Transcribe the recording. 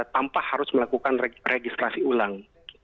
tanpa harus melakukan registrasi ulang